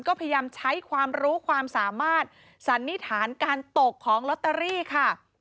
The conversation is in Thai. ก็พยายามใช้ความรู้ความสามารถสันนิษฐานการตกของลอตเตอรี่ค่ะ